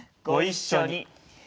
ご一緒に。